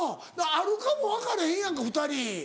あるかも分かれへんやんか２人。